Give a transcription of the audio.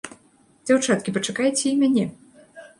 Дзяўчаткі, пачакайце і мяне!